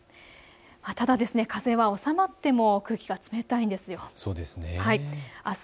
ただ、風は収まっても空気が冷たいんです。